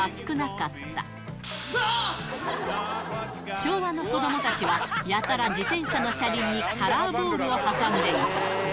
昭和の子どもたちは、やたら自転車の車輪にカラーボールを挟んでいた。